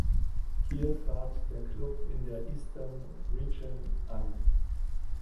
Hier trat der Klub in der Eastern Region an.